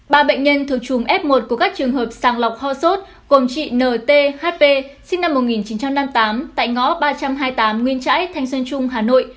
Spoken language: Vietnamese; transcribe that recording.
ba bệnh nhân thuộc chùm f một của các trường hợp sàng lọc ho sốt gồm chị nthp sinh năm một nghìn chín trăm năm mươi tám tại ngõ ba trăm hai mươi tám nguyên trãi thanh xuân trung hà nội